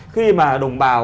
khi mà đồng bào